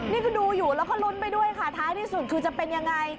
นี่ก็ดูอยู่แล้วก็ลุ้นไปด้วยค่ะท้ายที่สุดคือจะเป็นยังไง